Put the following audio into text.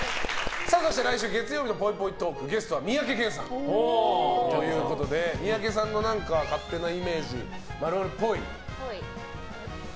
そして来週月曜日のぽいぽいトークゲストは三宅健さんということで三宅さんの勝手なイメージ○○っぽい。